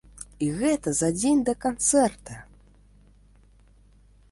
І гэта за дзень да канцэрта!